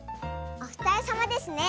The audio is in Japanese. おふたりさまですね。